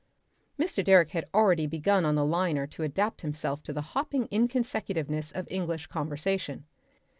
Mr. Direck had already begun on the liner to adapt himself to the hopping inconsecutiveness of English conversation.